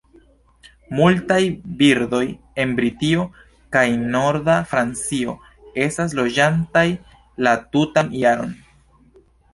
Multaj birdoj en Britio kaj norda Francio estas loĝantaj la tutan jaron.